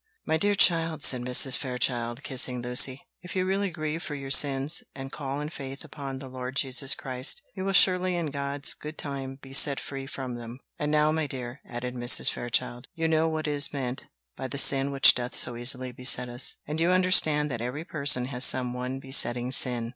"My dear child," said Mrs. Fairchild, kissing Lucy, "if you really grieve for your sins, and call in faith upon the Lord Jesus Christ, you will surely in God's good time be set free from them. And now, my dear," added Mrs. Fairchild, "you know what is meant by the sin which doth so easily beset us; and you understand that every person has some one besetting sin."